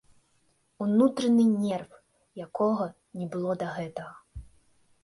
Унутраны нерв, якога не было да гэтага.